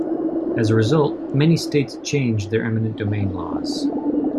As a result, many states changed their eminent domain laws.